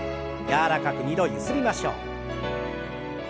柔らかく２度ゆすりましょう。